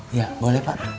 iya boleh pak